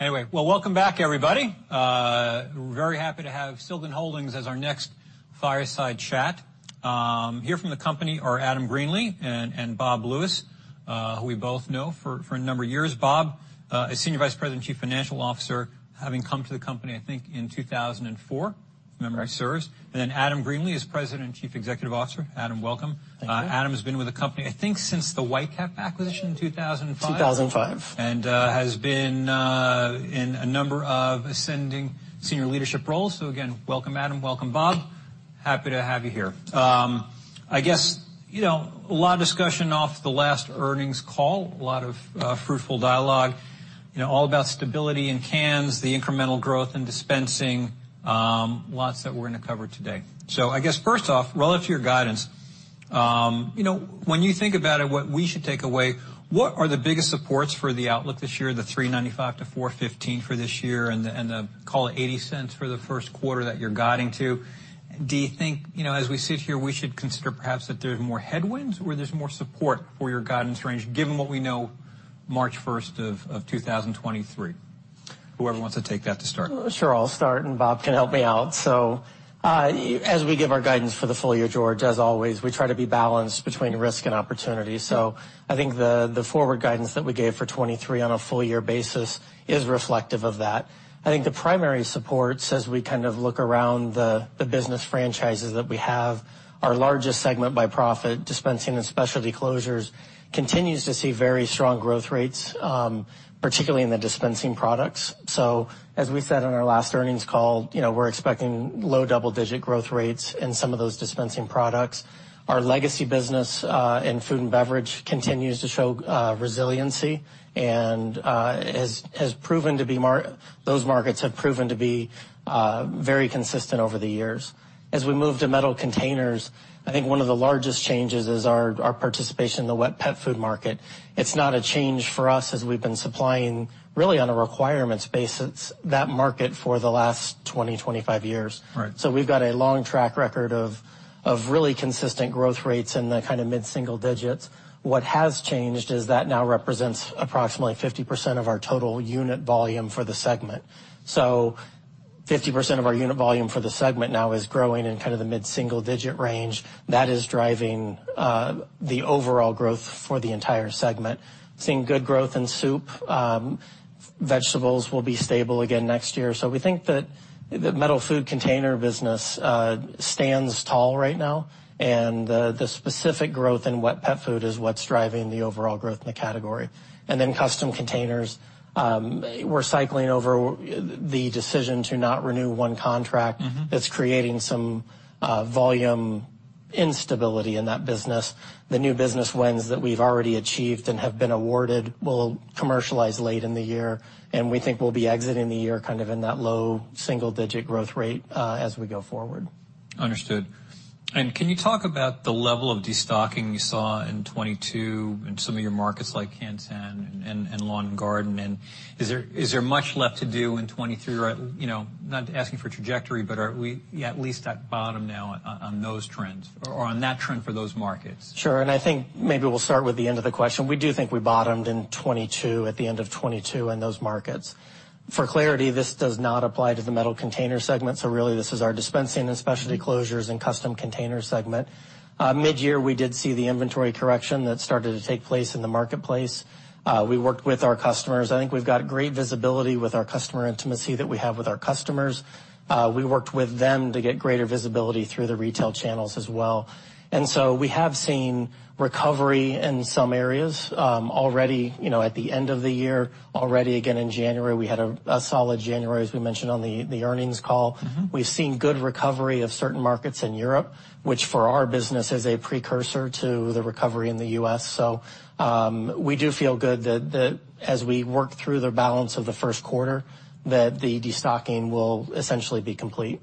Welcome back, everybody. Very happy to have Silgan Holdings Inc. as our next fireside chat. Here from the company are Adam Greenlee and Robert Lewis, who we both know for a number of years. Robert is Senior Vice President and Chief Financial Officer, having come to the company, I think, in 2004. Right. If memory serves. Adam Greenlee is President and Chief Executive Officer. Adam, welcome. Thank you. Adam has been with the company, I think, since the White Cap acquisition in 2005. 2005. Has been in a number of ascending senior leadership roles. Again, welcome, Adam Greenlee. Welcome, Robert Lewis. Happy to have you here. I guess, you know, a lot of discussion off the last earnings call, a lot of fruitful dialogue, you know, all about stability in cans, the incremental growth in dispensing, lots that we're gonna cover today. I guess first off, relative to your guidance, you know, when you think about it, what we should take away, what are the biggest supports for the outlook this year, the $3.95-$4.15 for this year and the call it $0.80 for the first quarter that you're guiding to? Do you think, you know, as we sit here, we should consider perhaps that there's more headwinds or there's more support for your guidance range given what we know March 1st, 2023? Whoever wants to take that to start. Sure, I'll start, and Robert Lewis can help me out. As we give our guidance for the full year, George, as always, we try to be balanced between risk and opportunity. I think the forward guidance that we gave for 2023 on a full year basis is reflective of that. I think the primary supports as we kind of look around the business franchises that we have, our largest segment by profit, dispensing and Specialty Closures, continues to see very strong growth rates, particularly in the dispensing products. As we said on our last earnings call, you know, we're expecting low double-digit growth rates in some of those dispensing products. Our legacy business in food and beverage continues to show resiliency and has proven to be those markets have proven to be very consistent over the years. We move to Metal Containers, I think one of the largest changes is our participation in the wet pet food market. It's not a change for us as we've been supplying really on a requirements basis that market for the last 20-25 years. Right. We've got a long track record of really consistent growth rates in the kind of mid-single digits. What has changed is that now represents approximately 50% of our total unit volume for the segment. 50% of our unit volume for the segment now is growing in kind of the mid-single digit range. That is driving the overall growth for the entire segment. Seeing good growth in soup. Vegetables will be stable again next year. We think that the metal food container business stands tall right now, and the specific growth in wet pet food is what's driving the overall growth in the category. Custom Containers, we're cycling over the decision to not renew one contract. Mm-hmm. That's creating some volume instability in that business. The new business wins that we've already achieved and have been awarded will commercialize late in the year, and we think we'll be exiting the year kind of in that low single digit growth rate, as we go forward. Understood. Can you talk about the level of destocking you saw in 2022 in some of your markets like Can 10 and lawn and garden? Is there much left to do in 2023 or, you know, not asking for trajectory, but are we at least at bottom now on those trends or on that trend for those markets? Sure. I think maybe we'll start with the end of the question. We do think we bottomed in 2022, at the end of 2022 in those markets. For clarity, this does not apply to the Metal Containers segment, so really this is our dispensing and Specialty Closures and Custom Containers segment. Mid-year, we did see the inventory correction that started to take place in the marketplace. We worked with our customers. I think we've got great visibility with our customer intimacy that we have with our customers. We worked with them to get greater visibility through the retail channels as well. We have seen recovery in some areas, already, you know, at the end of the year. Already again in January, we had a solid January, as we mentioned on the earnings call. Mm-hmm. We've seen good recovery of certain markets in Europe, which for our business is a precursor to the recovery in the U.S. We do feel good that as we work through the balance of the first quarter, that the destocking will essentially be complete.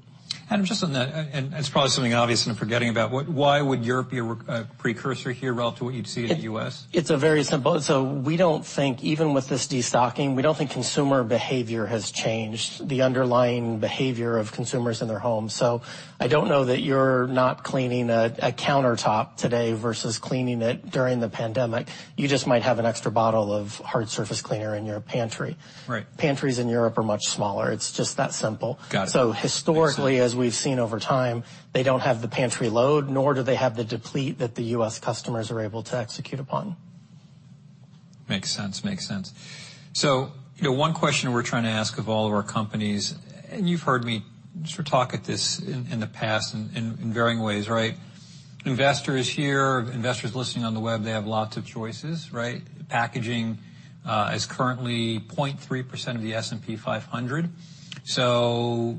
Adam, just on that, and it's probably something obvious and I'm forgetting about, why would Europe be a precursor here relative to what you'd see in the U.S.? We don't think even with this destocking, we don't think consumer behavior has changed, the underlying behavior of consumers in their homes. I don't know that you're not cleaning a countertop today versus cleaning it during the pandemic. You just might have an extra bottle of hard surface cleaner in your pantry. Right. Pantries in Europe are much smaller. It's just that simple. Got it. So historically- Makes sense. As we've seen over time, they don't have the pantry load, nor do they have the deplete that the U.S. customers are able to execute upon. Makes sense. Makes sense. You know, one question we're trying to ask of all of our companies, and you've heard me sort of talk at this in the past in varying ways, right? Investors here, investors listening on the web, they have lots of choices, right? Packaging is currently 0.3% of the S&P 500.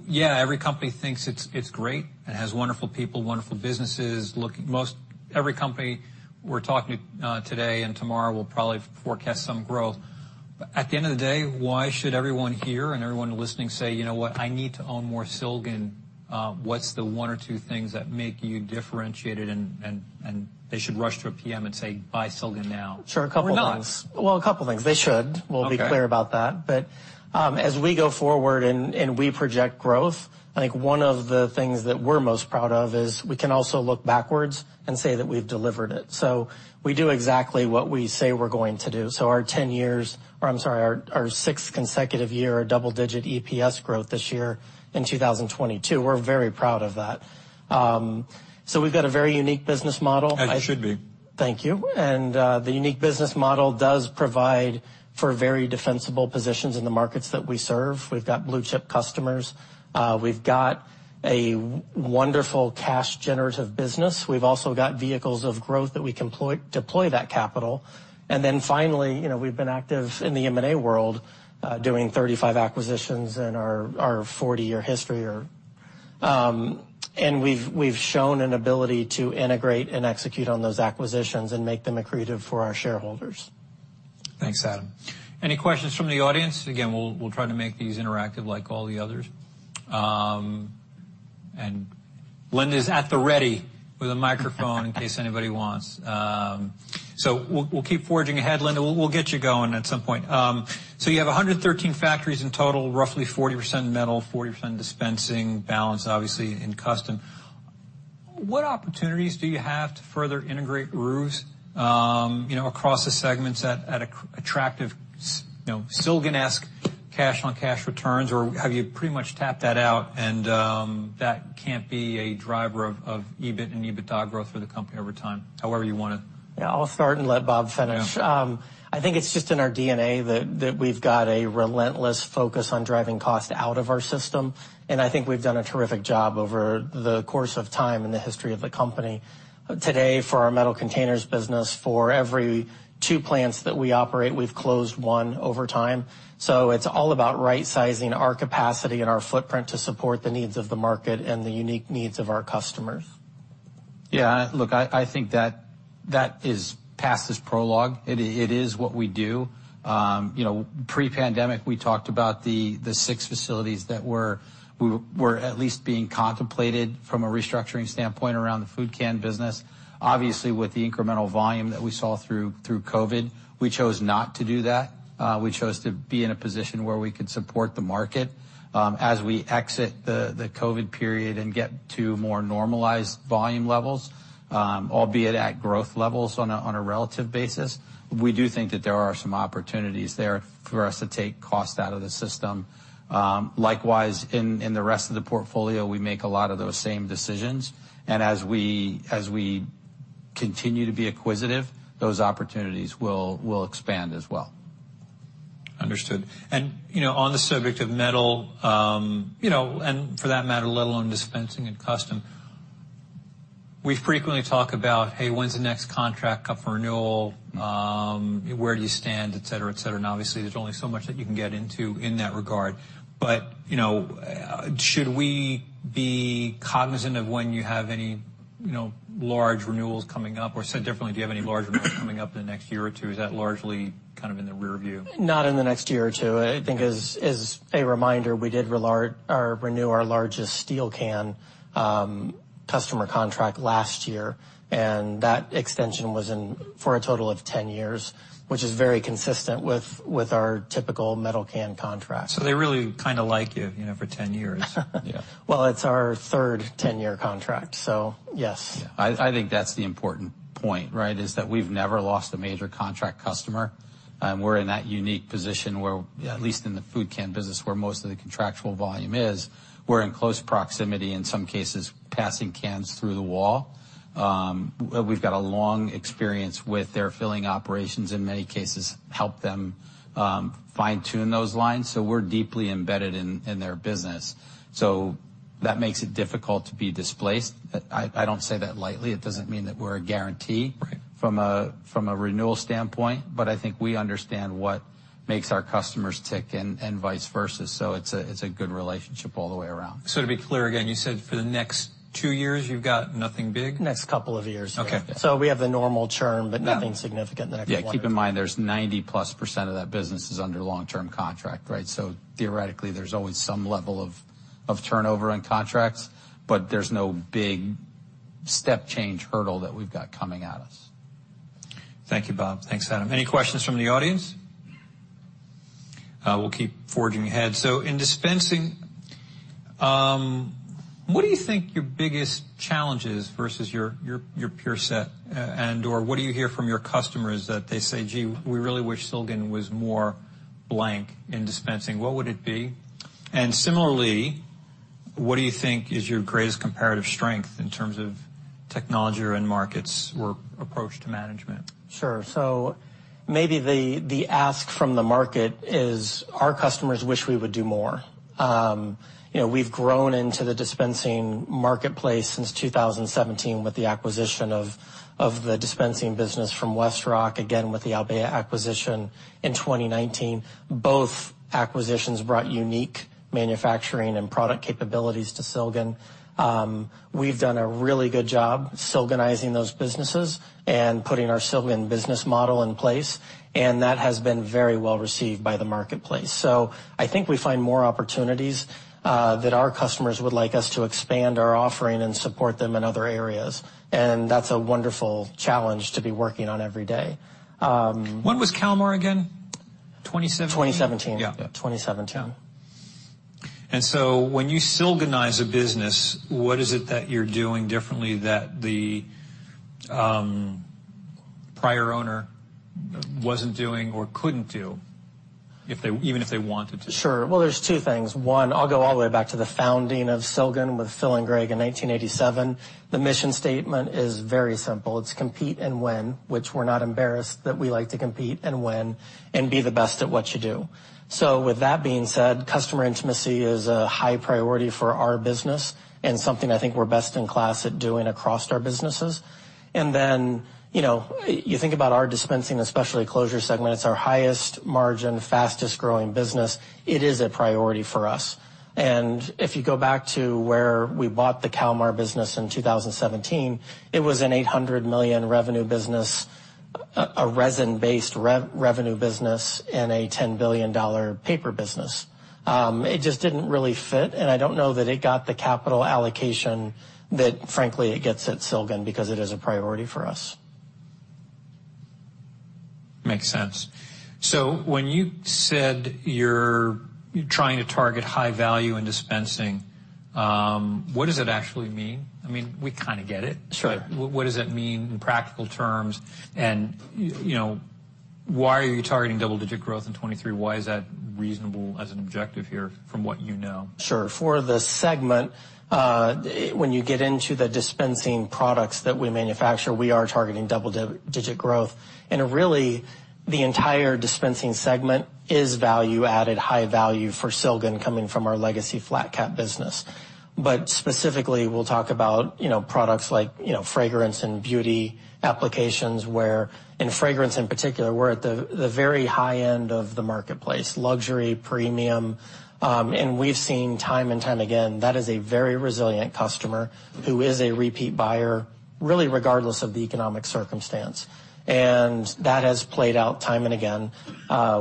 Yeah, every company thinks it's great and has wonderful people, wonderful businesses. Look, most every company we're talking to today and tomorrow will probably forecast some growth. At the end of the day, why should everyone here and everyone listening say, "You know what? I need to own more Silgan." What's the one or two things that make you differentiated and they should rush to a PM and say, "Buy Silgan now- Sure. A couple things. Or not. Well, a couple things. They should. Okay. We'll be clear about that. as we go forward and we project growth, I think one of the things that we're most proud of is we can also look backwards and say that we've delivered it. we do exactly what we say we're going to do. our 10 years, or I'm sorry, our sixth consecutive year of double-digit EPS growth this year in 2022, we're very proud of that. we've got a very unique business model. As you should be. Thank you. The unique business model does provide for very defensible positions in the markets that we serve. We've got blue-chip customers. We've got a wonderful cash generative business. We've also got vehicles of growth that we can deploy that capital. Finally, you know, we've been active in the M&A world, doing 35 acquisitions in our 40-year history or. We've shown an ability to integrate and execute on those acquisitions and make them accretive for our shareholders. Thanks, Adam. Any questions from the audience? Again, we'll try to make these interactive like all the others. Linda is at the ready with a microphone in case anybody wants. We'll keep forging ahead, Linda. We'll get you going at some point. You have 113 factories in total, roughly 40% metal, 40% dispensing, balance, obviously in custom. What opportunities do you have to further integrate roofs, you know, across the segments at attractive you know, Silgan-esque cash-on-cash returns or have you pretty much tapped that out, that can't be a driver of EBIT and EBITDA growth for the company over time? However you wanna... Yeah, I'll start and let Robert finish. Yeah. I think it's just in our DNA that we've got a relentless focus on driving cost out of our system, and I think we've done a terrific job over the course of time in the history of the company. Today, for our Metal Containers business, for every two plants that we operate, we've closed one over time. It's all about right-sizing our capacity and our footprint to support the needs of the market and the unique needs of our customers. Yeah, look, I think that that is past is prologue. It is what we do. You know, pre-pandemic, we talked about the 6 facilities that were at least being contemplated from a restructuring standpoint around the food can business. Obviously, with the incremental volume that we saw through COVID, we chose not to do that. We chose to be in a position where we could support the market, as we exit the COVID period and get to more normalized volume levels, albeit at growth levels on a relative basis. We do think that there are some opportunities there for us to take cost out of the system. Likewise, in the rest of the portfolio, we make a lot of those same decisions. As we continue to be acquisitive, those opportunities will expand as well. Understood. You know, on the subject of metal, you know, for that matter, let alone dispensing and Custom, we frequently talk about, hey, when's the next contract up for renewal? Where do you stand? Et cetera, et cetera. Obviously, there's only so much that you can get into in that regard. You know, should we be cognizant of when you have any, you know, large renewals coming up? Said differently, do you have any large renewals coming up in the next year or two? Is that largely kind of in the rear view? Not in the next year or two. I think as a reminder, we did renew our largest steel can customer contract last year. That extension was in for a total of 10 years, which is very consistent with our typical metal can contract. They really kind of like you know, for 10 years. Yeah. Well, it's our third 10-year contract, so yes. Yeah, I think that's the important point, right? Is that we've never lost a major contract customer. We're in that unique position where, at least in the food can business, where most of the contractual volume is, we're in close proximity, in some cases, passing cans through the wall. We've got a long experience with their filling operations, in many cases, help them fine-tune those lines. We're deeply embedded in their business. That makes it difficult to be displaced. I don't say that lightly. It doesn't mean that we're a guarantee- Right. from a renewal standpoint. I think we understand what makes our customers tick and vice versa. It's a good relationship all the way around. To be clear again, you said for the next two years you've got nothing big? Next couple of years, yeah. Okay. We have the normal churn, but nothing significant in the next 1-2. Yeah. Keep in mind, there's 90%+ of that business is under long-term contract, right? Theoretically, there's always some level of turnover in contracts, but there's no big step change hurdle that we've got coming at us. Thank you, Robert. Thanks, Adam. Any questions from the audience? We'll keep forging ahead. In dispensing, what do you think your biggest challenge is versus your peer set, and/or what do you hear from your customers that they say, "Gee, we really wish Silgan was more blank in dispensing." What would it be? Similarly, what do you think is your greatest comparative strength in terms of technology or end markets or approach to management? Sure. Maybe the ask from the market is our customers wish we would do more. You know, we've grown into the dispensing marketplace since 2017 with the acquisition of the dispensing business from WestRock Company, again, with the Albéa acquisition in 2019. Both acquisitions brought unique manufacturing and product capabilities to Silgan. We've done a really good job Silganizing those businesses and putting our Silgan business model in place, and that has been very well received by the marketplace. I think we find more opportunities that our customers would like us to expand our offering and support them in other areas. That's a wonderful challenge to be working on every day. When was Calmar again? 2017. 2017. Yeah. 2017. Yeah. When you Silganize a business, what is it that you're doing differently that the prior owner wasn't doing or couldn't do if they, even if they wanted to? Sure. Well, there's two things. One, I'll go all the way back to the founding of Silgan with Phil and Greg in 1987. The mission statement is very simple. It's compete and win, which we're not embarrassed that we like to compete and win and be the best at what you do. With that being said, customer intimacy is a high priority for our business and something I think we're best in class at doing across our businesses. Then, you know, you think about our dispensing, Specialty Closure segment, it's our highest margin, fastest-growing business. It is a priority for us. If you go back to where we bought the Calmar business in 2017, it was an $800 million revenue business, a resin-based re-revenue business, and a $10 billion paper business. It just didn't really fit, and I don't know that it got the capital allocation that frankly, it gets at Silgan because it is a priority for us. Makes sense. When you said you're trying to target high value in dispensing, what does that actually mean? I mean, we kinda get it. Sure. What does that mean in practical terms? You know, why are you targeting double-digit growth in 23? Why is that reasonable as an objective here from what you know? Sure. For the segment, when you get into the dispensing products that we manufacture, we are targeting double-digit growth. Really, the entire dispensing segment is value added, high value for Silgan coming from our legacy flat cap business. Specifically, we'll talk about, you know, products like, you know, fragrance and beauty applications where in fragrance in particular, we're at the very high end of the marketplace, luxury, premium, and we've seen time and time again, that is a very resilient customer who is a repeat buyer, really regardless of the economic circumstance. That has played out time and again.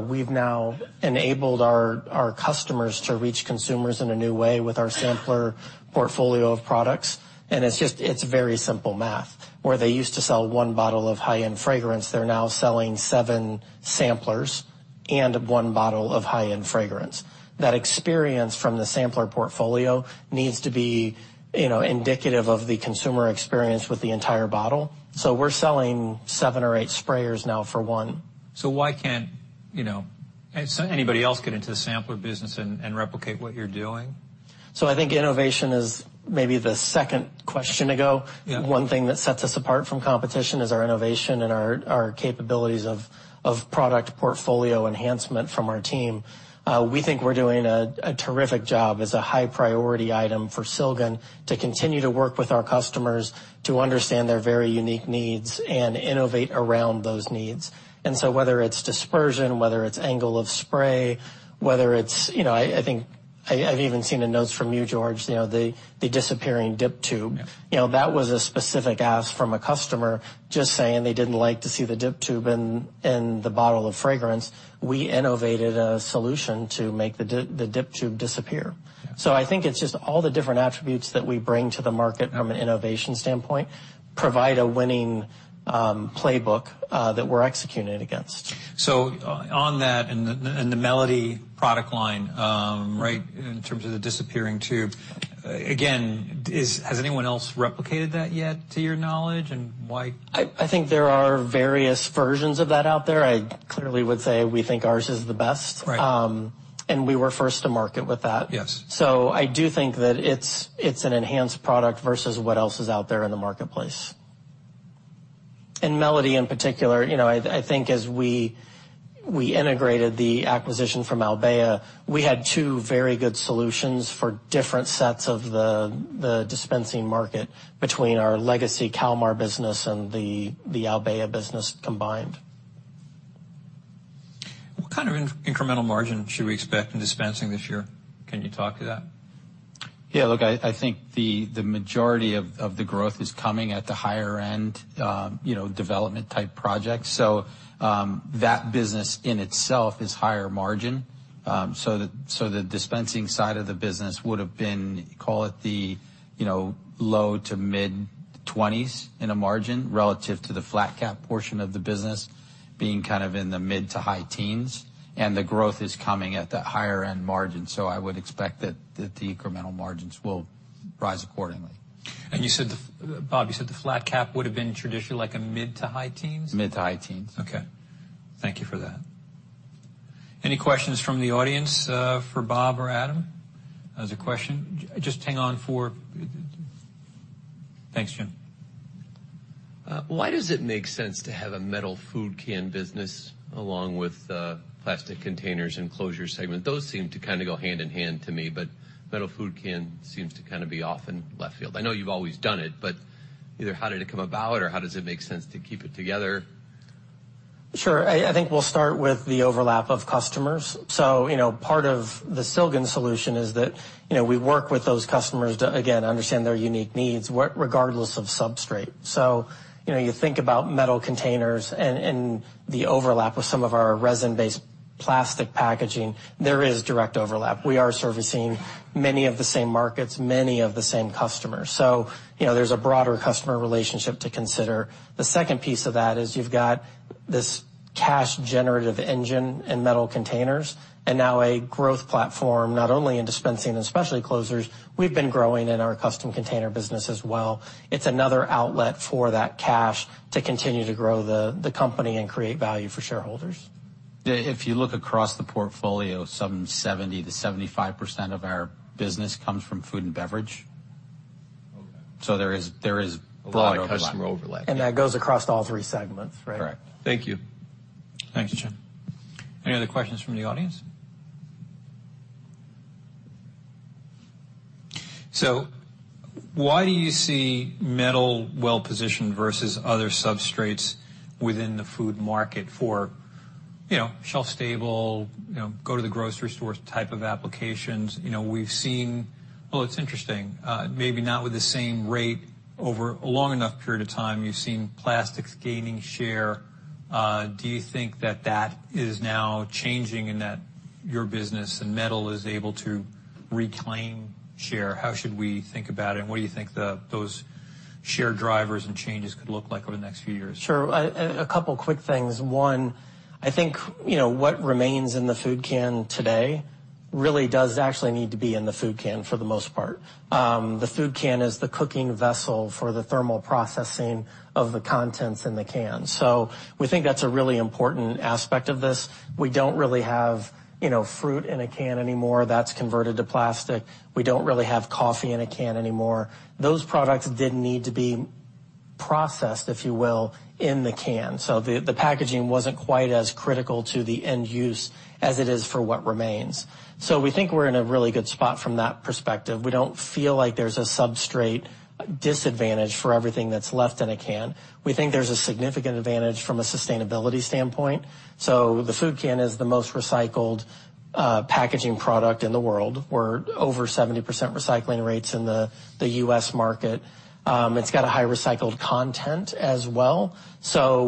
We've now enabled our customers to reach consumers in a new way with our sampler portfolio of products, it's very simple math, where they used to sell one bottle of high-end fragrance, they're now selling seven samplers and one bottle of high-end fragrance. That experience from the sampler portfolio needs to be, you know, indicative of the consumer experience with the entire bottle. We're selling seven or eight sprayers now for one. Why can't, you know, anybody else get into the sampler business and replicate what you're doing? I think innovation is maybe the second question ago. Yeah. One thing that sets us apart from competition is our innovation and our capabilities of product portfolio enhancement from our team. We think we're doing a terrific job as a high priority item for Silgan to continue to work with our customers to understand their very unique needs and innovate around those needs. Whether it's dispersion, whether it's angle of spray, whether it's, you know, I think I've even seen the notes from you, George, you know, the disappearing dip tube. Yeah. You know, that was a specific ask from a customer just saying they didn't like to see the dip tube in the bottle of fragrance. We innovated a solution to make the dip tube disappear. I think it's just all the different attributes that we bring to the market from an innovation standpoint provide a winning playbook that we're executing against. On that and the, and the Melody product line, right, in terms of the disappearing tube, again, has anyone else replicated that yet to your knowledge and why? I think there are various versions of that out there. I clearly would say we think ours is the best. Right. We were first to market with that. Yes. I do think that it's an enhanced product versus what else is out there in the marketplace. Melody, in particular, you know, I think as we integrated the acquisition from Albéa, we had two very good solutions for different sets of the dispensing market between our legacy Calmar business and the Albéa business combined. What kind of incremental margin should we expect in dispensing this year? Can you talk to that? Yeah, look, I think the majority of the growth is coming at the higher end, you know, development type projects. That business in itself is higher margin. The dispensing side of the business would have been, call it the, you know, low to mid-20s% in a margin relative to the flat cap portion of the business being kind of in the mid to high teens%, and the growth is coming at the higher end margin. I would expect that the incremental margins will rise accordingly. You said Robert, you said the flat cap would have been traditionally like a mid to high teens? Mid to high teens. Okay. Thank you for that. Any questions from the audience, for Robert or Adam? There's a question. Hang on for. Thanks, Jim. Why does it make sense to have a metal food can business along with plastic containers and closures segment? Those seem to kinda go hand in hand to me, but metal food can seems to kinda be off in left field. I know you've always done it, but either how did it come about, or how does it make sense to keep it together? Sure. I think we'll start with the overlap of customers. You know, part of the Silgan solution is that, you know, we work with those customers to, again, understand their unique needs regardless of substrate. You know, you think about Metal Containers and the overlap with some of our resin-based plastic packaging, there is direct overlap. We are servicing many of the same markets, many of the same customers. You know, there's a broader customer relationship to consider. The second piece of that is you've got this cash generative engine in Metal Containers, and now a growth platform, not only in dispensing and Specialty Closures, we've been growing in our Custom Containers business as well. It's another outlet for that cash to continue to grow the company and create value for shareholders. If you look across the portfolio, some 70%-75% of our business comes from food and beverage. Okay. There is a lot of customer overlap. That goes across all three segments, right? Correct. Thank you. Thanks, Jim. Any other questions from the audience? Why do you see metal well-positioned versus other substrates within the food market for, you know, shelf stable, you know, go to the grocery store type of applications? You know. Well, it's interesting, maybe not with the same rate over a long enough period of time, you've seen plastics gaining share. Do you think that that is now changing and that your business and metal is able to reclaim share? How should we think about it, and what do you think the, those share drivers and changes could look like over the next few years? Sure. A couple of quick things. One, I think, you know, what remains in the food can today really does actually need to be in the food can for the most part. The food can is the cooking vessel for the thermal processing of the contents in the can. We think that's a really important aspect of this. We don't really have, you know, fruit in a can anymore. That's converted to plastic. We don't really have coffee in a can anymore. Those products didn't need to be processed, if you will, in the can. The packaging wasn't quite as critical to the end use as it is for what remains. We think we're in a really good spot from that perspective. We don't feel like there's a substrate disadvantage for everything that's left in a can. We think there's a significant advantage from a sustainability standpoint. The food can is the most recycled packaging product in the world. We're over 70% recycling rates in the U.S. market. It's got a high recycled content as well.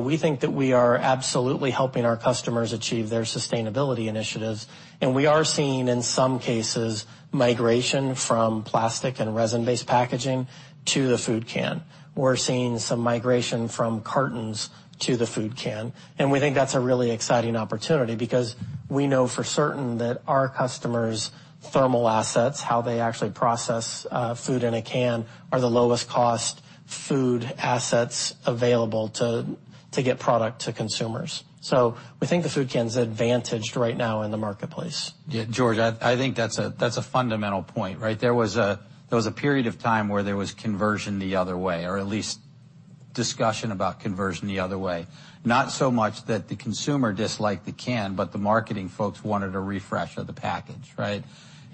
We think that we are absolutely helping our customers achieve their sustainability initiatives. We are seeing, in some cases, migration from plastic and resin-based packaging to the food can. We're seeing some migration from cartons to the food can. We think that's a really exciting opportunity because we know for certain that our customers' thermal assets, how they actually process food in a can, are the lowest cost food assets available to get product to consumers. We think the food can is advantaged right now in the marketplace. Yeah, George, I think that's a fundamental point, right? There was a period of time where there was conversion the other way, or at least discussion about conversion the other way. Not so much that the consumer disliked the can, but the marketing folks wanted a refresh of the package, right?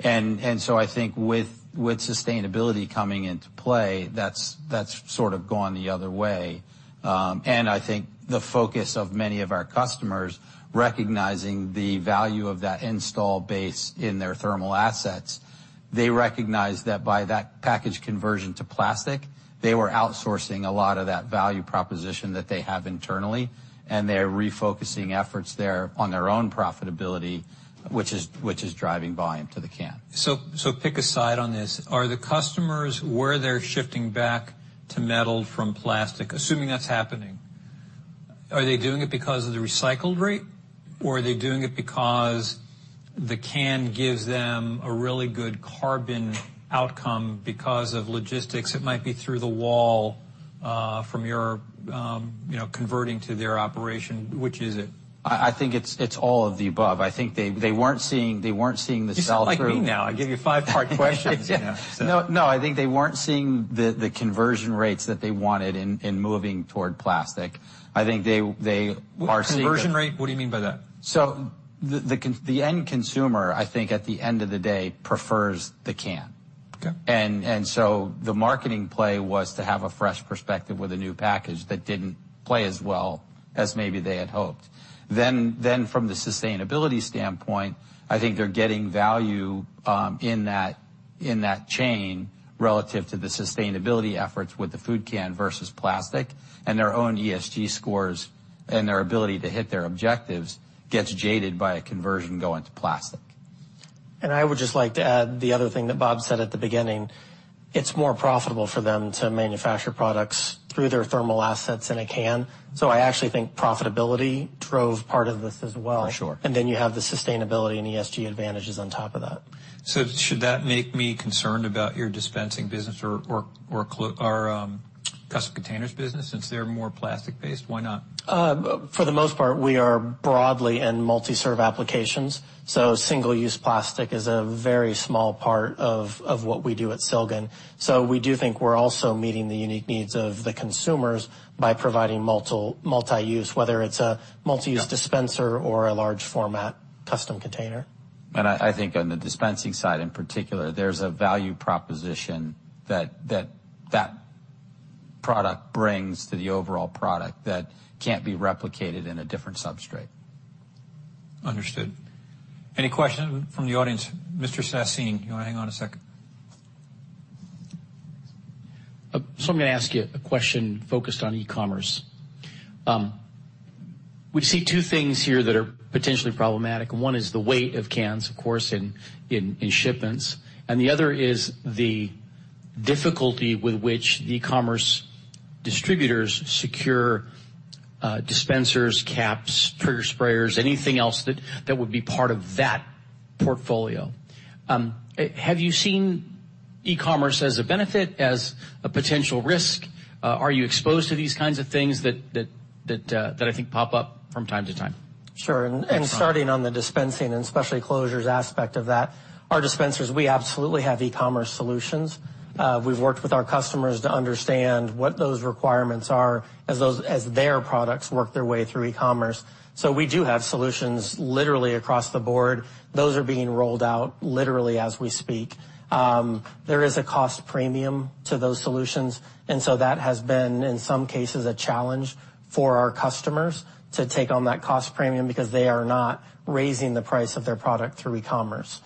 I think with sustainability coming into play, that's sort of gone the other way. I think the focus of many of our customers recognizing the value of that install base in their thermal assets, they recognize that by that package conversion to plastic, they were outsourcing a lot of that value proposition that they have internally, and they're refocusing efforts there on their own profitability, which is driving volume to the can. Pick a side on this. Are the customers where they're shifting back to metal from plastic, assuming that's happening, are they doing it because of the recycle rate, or are they doing it because the can gives them a really good carbon outcome because of logistics? It might be through the wall, from your, you know, converting to their operation. Which is it? I think it's all of the above. I think they weren't seeing. You sound like me now. I give you five-part questions. No, no, I think they weren't seeing the conversion rates that they wanted in moving toward plastic. I think they are seeing. Conversion rate, what do you mean by that? The end consumer, I think at the end of the day, prefers the can. Okay. The marketing play was to have a fresh perspective with a new package that didn't play as well as maybe they had hoped. From the sustainability standpoint, I think they're getting value, in that chain relative to the sustainability efforts with the food can versus plastic, and their own ESG scores and their ability to hit their objectives gets jaded by a conversion going to plastic. I would just like to add the other thing that Robert said at the beginning, it's more profitable for them to manufacture products through their thermal assets in a can. I actually think profitability drove part of this as well. For sure. You have the sustainability and ESG advantages on top of that. Should that make me concerned about your dispensing business or Custom Containers business since they're more plastic-based? Why not? For the most part, we are broadly in multi-serve applications, single-use plastic is a very small part of what we do at Silgan. We do think we're also meeting the unique needs of the consumers by providing multi-use, whether it's a multi-use dispenser or a large format Custom Container. I think on the dispensing side, in particular, there's a value proposition that product brings to the overall product that can't be replicated in a different substrate. Understood. Any questions from the audience? Mr. Sassine, you wanna hang on a second? I'm gonna ask you a question focused on e-commerce. We see two things here that are potentially problematic. One is the weight of cans, of course, in, in shipments, and the other is the... Difficulty with which e-commerce distributors secure dispensers, caps, trigger sprayers, anything else that would be part of that portfolio. Have you seen e-commerce as a benefit, as a potential risk? Are you exposed to these kinds of things that I think pop up from time to time? Sure. Starting on the dispensing and Specialty Closures aspect of that, our dispensers, we absolutely have e-commerce solutions. We've worked with our customers to understand what those requirements are as their products work their way through e-commerce. We do have solutions literally across the board. Those are being rolled out literally as we speak. There is a cost premium to those solutions, and so that has been, in some cases, a challenge for our customers to take on that cost premium because they are not raising the price of their product through e-commerce.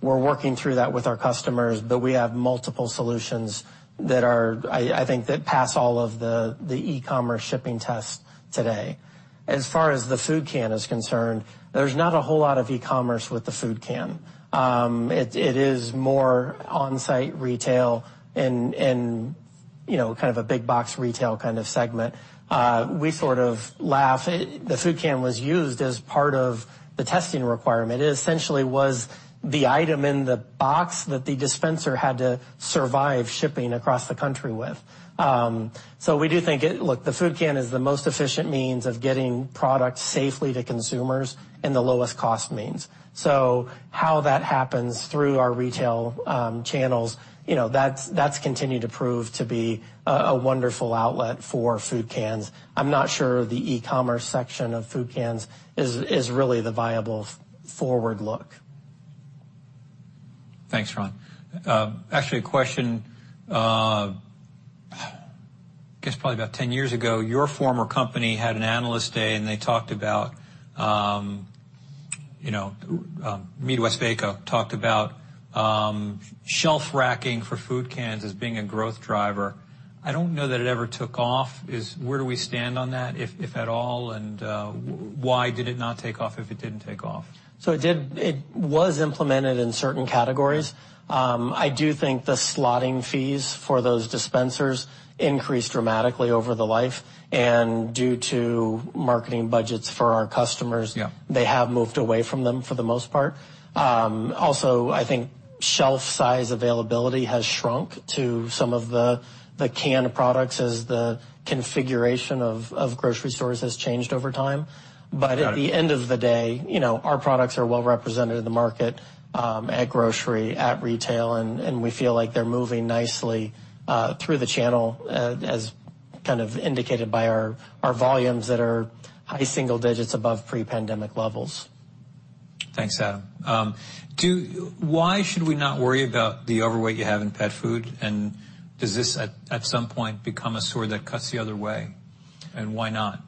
We're working through that with our customers, but we have multiple solutions that are, I think, that pass all of the e-commerce shipping tests today. As far as the food can is concerned, there's not a whole lot of e-commerce with the food can. It is more on-site retail and, you know, kind of a big box retail kind of segment. We sort of laugh. The food can was used as part of the testing requirement. It essentially was the item in the box that the dispenser had to survive shipping across the country with. We do think Look, the food can is the most efficient means of getting product safely to consumers and the lowest cost means. How that happens through our retail channels, you know, that's continued to prove to be a wonderful outlet for food cans. I'm not sure the e-commerce section of food cans is really the viable forward look. Thanks, Ron. Actually, a question. I guess probably about 10 years ago, your former company had an analyst day, and they talked about, you know, MeadWestvaco talked about shelf racking for food cans as being a growth driver. I don't know that it ever took off. Where do we stand on that, if at all, and why did it not take off, if it didn't take off? It did. It was implemented in certain categories. I do think the slotting fees for those dispensers increased dramatically over the life. Due to marketing budgets for our customers. Yeah. They have moved away from them for the most part. Also, I think shelf size availability has shrunk to some of the canned products as the configuration of grocery stores has changed over time. Got it. At the end of the day, you know, our products are well-represented in the market, at grocery, at retail, and we feel like they're moving nicely through the channel as kind of indicated by our volumes that are high single digits above pre-pandemic levels. Thanks, Adam. Why should we not worry about the overweight you have in pet food? Does this at some point become a sword that cuts the other way, and why not?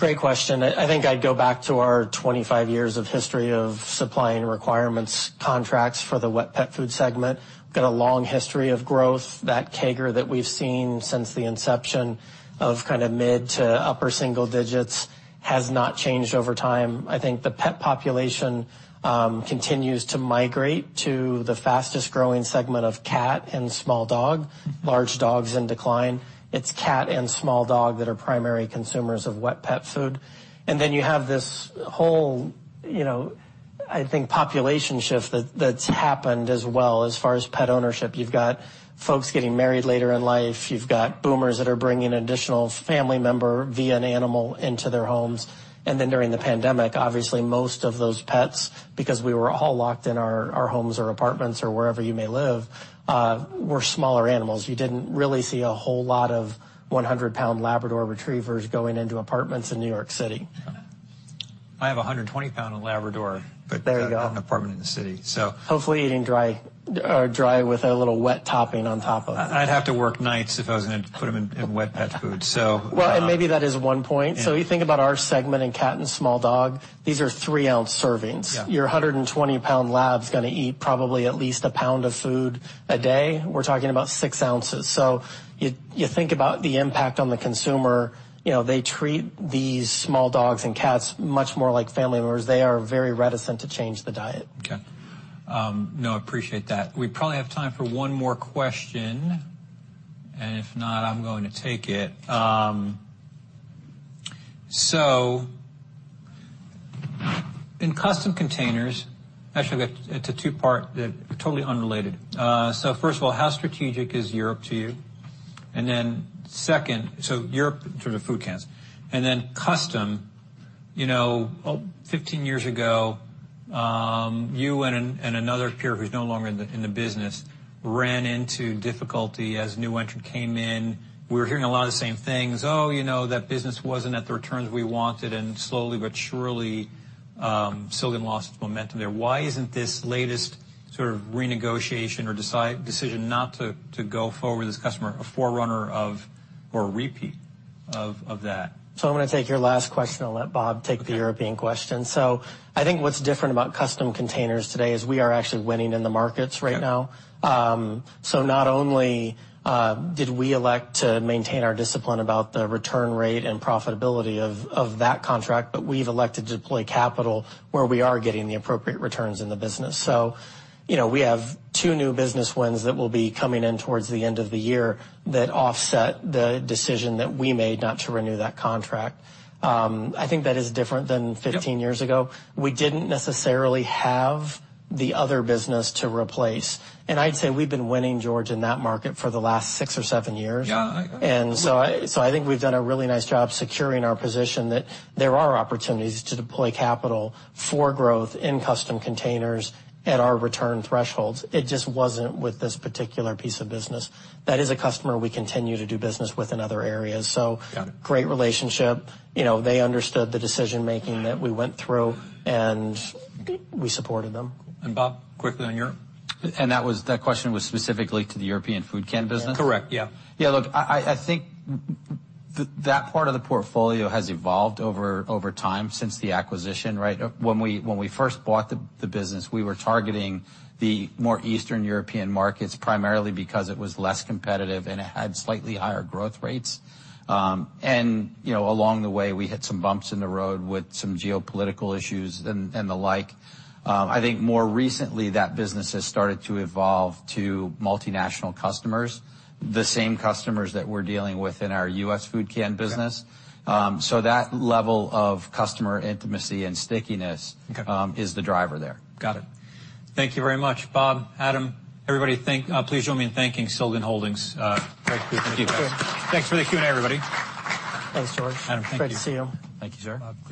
Great question. I think I'd go back to our 25 years of history of supplying requirements, contracts for the wet pet food segment. Got a long history of growth. That CAGR that we've seen since the inception of kind of mid to upper single digits has not changed over time. I think the pet population continues to migrate to the fastest-growing segment of cat and small dog. Large dog's in decline. It's cat and small dog that are primary consumers of wet pet food. Then you have this whole, you know, I think population shift that's happened as well as far as pet ownership. You've got folks getting married later in life. You've got boomers that are bringing additional family member via an animal into their homes. During the pandemic, obviously, most of those pets, because we were all locked in our homes or apartments or wherever you may live, were smaller animals. You didn't really see a whole lot of 100-pound Labrador retrievers going into apartments in New York City. I have a 120 pound Labrador. There you go. In an apartment in the city, so. Hopefully, eating dry, or dry with a little wet topping on top of it. I'd have to work nights if I was gonna put him in wet pet food. Well, maybe that is one point. Yeah. You think about our segment in cat and small dog, these are 3-ounce servings. Yeah. Your 120-pound lab's gonna eat probably at least 1 pound of food a day. We're talking about 6 ounces. You think about the impact on the consumer. You know, they treat these small dogs and cats much more like family members. They are very reticent to change the diet. Okay. No, I appreciate that. We probably have time for one more question, and if not, I'm going to take it. In Custom Containers... Actually, it's a two-part that totally unrelated. First of all, how strategic is Europe to you? Second, Europe, sort of food cans. Custom, you know, 15 years ago, you and another peer who's no longer in the business ran into difficulty as new entrant came in. We're hearing a lot of the same things. Oh, you know, that business wasn't at the returns we wanted, and slowly but surely, Silgan lost its momentum there. Why isn't this latest sort of renegotiation or decision not to go forward with this customer a forerunner of or a repeat of that? I'm gonna take your last question. I'll let Robert take the European question. I think what's different about Custom Containers today is we are actually winning in the markets right now. Yeah. Not only did we elect to maintain our discipline about the return rate and profitability of that contract, but we've elected to deploy capital where we are getting the appropriate returns in the business. You know, we have two new business wins that will be coming in towards the end of the year that offset the decision that we made not to renew that contract. I think that is different than 15 years ago. Yeah. We didn't necessarily have the other business to replace. I'd say we've been winning, George, in that market for the last six or seven years. Yeah. I think we've done a really nice job securing our position that there are opportunities to deploy capital for growth in Custom Containers at our return thresholds. It just wasn't with this particular piece of business. That is a customer we continue to do business with in other areas, so. Got it. Great relationship. You know, they understood the decision-making that we went through, and we supported them. Robert, quickly on Europe. That question was specifically to the European food can business? Correct. Yeah. Yeah, look, I think that part of the portfolio has evolved over time since the acquisition, right? When we first bought the business, we were targeting the more Eastern European markets primarily because it was less competitive, and it had slightly higher growth rates. You know, along the way, we hit some bumps in the road with some geopolitical issues and the like. I think more recently, that business has started to evolve to multinational customers, the same customers that we're dealing with in our U.S. food can business. Yeah. That level of customer intimacy and stickiness. Okay. is the driver there. Got it. Thank you very much, Robert, Adam. Please join me in thanking Silgan Holdings, great group of people. Thanks for the Q&A, everybody. Thanks, George. Adam, thank you. Great to see you. Thank you, sir. Robert, great to see you.